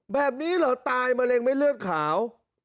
แบบนี้เหรอตายมะเร็งไม่เลือดขาว